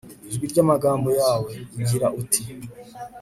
ijwi ry'amagambo yawe, ugira uti